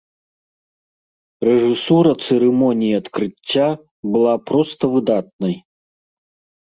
Рэжысура цырымоніі адкрыцця была проста выдатнай.